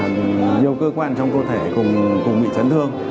và nhiều cơ quan trong cơ thể cùng bị chấn thương